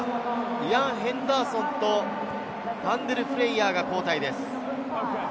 イアン・ヘンダーソンとファンデルフレイヤーが交代です。